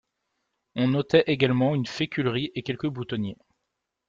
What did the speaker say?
On notait également une féculerie et quelques boutonniers.